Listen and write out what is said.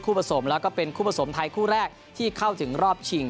ผสมแล้วก็เป็นคู่ผสมไทยคู่แรกที่เข้าถึงรอบชิง